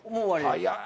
早い！？